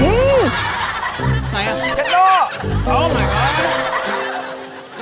อื้อชัดตัวโอ้มายก็อด